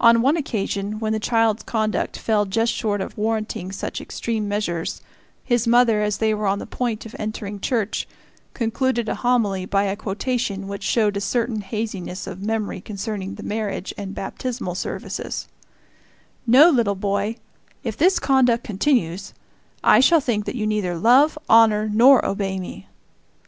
On one occasion, when the child's conduct fell just short of warranting such extreme measures, his mother, as they were on the point of entering church, concluded a homily by a quotation which showed a certain haziness of memory concerning the marriage and baptismal services: "No, little boy, if this conduct continues, I shall think that you neither love, honor, nor obey me!"